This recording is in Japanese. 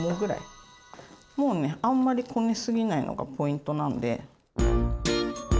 もうねあんまりこねすぎないのがポイントなんで。